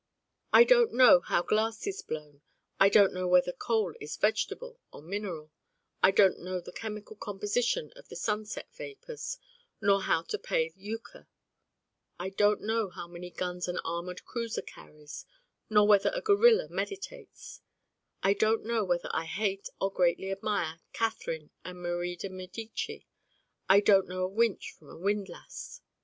I Don't Know how glass is blown: I don't know whether coal is vegetable or mineral: I don't know the chemical composition of the sunset vapors, nor how to play euchre: I don't know how many guns an armored cruiser carries, nor whether a gorilla meditates: I don't know whether I hate or greatly admire Catherine and Marie de Medici: I don't know a winch from a windlass.